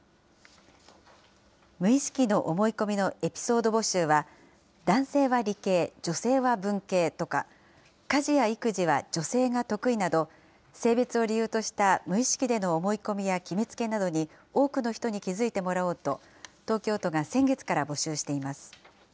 無意識の思い込みのエピソード募集は、男性は理系、女性は文系とか、家事や育児は女性が得意など、性別を理由とした無意識での思い込みや決めつけなどに、多くの人に気付いてもらおうと、東京都が先月から募集しています。